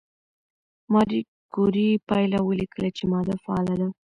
ماري کوري پایله ولیکله چې ماده فعاله ده.